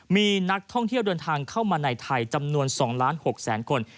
มีนักท่องเที่ยวเดินทางเข้ามาในไทยจำนวน๒ล้าน๖แสนคน